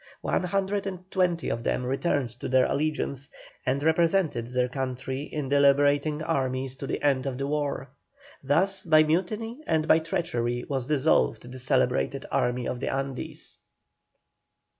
One hundred and twenty of them returned to their allegiance, and represented their country in the liberating armies to the end of the war. Thus by mutiny and by treachery was dissolved the celebrated Army of the Andes.